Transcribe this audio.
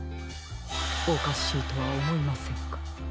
おかしいとはおもいませんか？